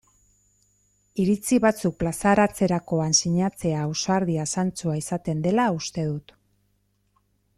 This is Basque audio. Iritzi batzuk plazaratzerakoan sinatzea ausardia zantzua izaten dela uste dut.